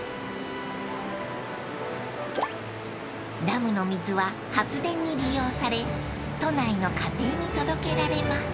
［ダムの水は発電に利用され都内の家庭に届けられます］